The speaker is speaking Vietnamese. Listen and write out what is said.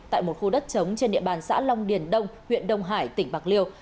tại một khu đất trống trên địa bàn xã long điền đông huyện đông hải tỉnh bạc liêu